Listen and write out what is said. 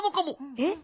えっ？